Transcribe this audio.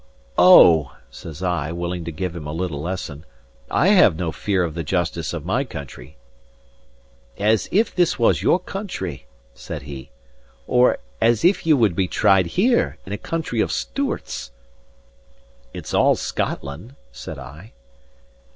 "O!" says I, willing to give him a little lesson, "I have no fear of the justice of my country." "As if this was your country!" said he. "Or as if ye would be tried here, in a country of Stewarts!" "It's all Scotland," said I.